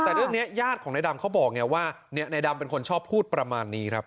แต่เรื่องนี้ญาติของนายดำเขาบอกไงว่านายดำเป็นคนชอบพูดประมาณนี้ครับ